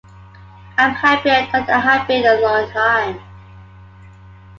I'm happier than I have been in a long time.